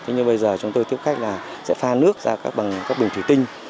nhưng bây giờ chúng tôi tiếp khách là pha nước ra bằng bình thủy tinh